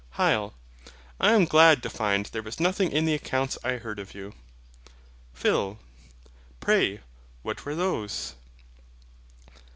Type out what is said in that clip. HYL. I am glad to find there was nothing in the accounts I heard of you. PHIL. Pray, what were those?